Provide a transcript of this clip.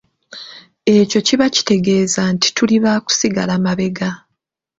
Ekyo kiba kitegeeza nti tuli ba kusigala mabega.